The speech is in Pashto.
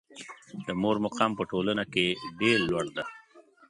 د مور مقام په ټولنه کې ډېر لوړ ده.